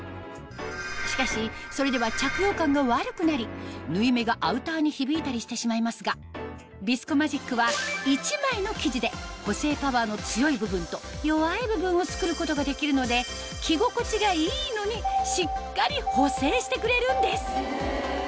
しかしそれでは着用感が悪くなり縫い目がアウターに響いたりしてしまいますがビスコマジックは１枚の生地で補整パワーの強い部分と弱い部分を作ることができるので着心地がいいのにしっかり補整してくれるんです